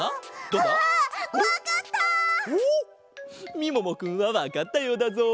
みももくんはわかったようだぞ。